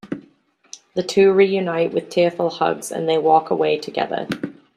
The two reunite with tearful hugs and they walk away together.